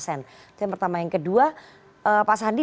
itu yang pertama yang kedua pak sandi